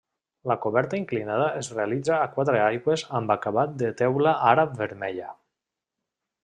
La coberta inclinada es realitza a quatre aigües amb acabat de teula àrab vermella.